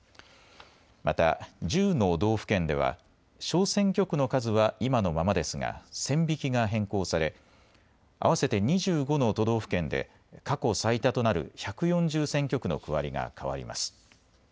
また１０の道府県では小選挙区の数は今のままですが線引きが変更され合わせて２５の都道府県で過去最多となる１４０選挙区の区割りが変わります。